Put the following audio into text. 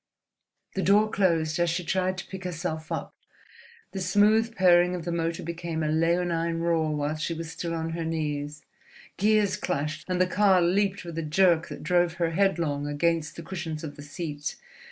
The door closed as she tried to pick herself up, the smooth purring of the motor became a leonine roar while she was still on her knees, gears clashed, and the car leaped with a jerk that drove her headlong against the cushions of the seat.